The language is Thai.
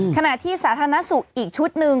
ขณะที่สาธารณสุขอีกชุดหนึ่ง